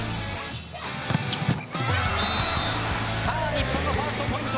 日本のファーストポイント